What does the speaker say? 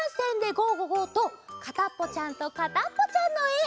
ゴ・ゴー！」と「かたっぽちゃんとかたっぽちゃん」のえ。